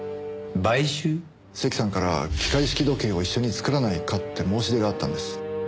関さんから機械式時計を一緒に作らないかって申し出があったんです。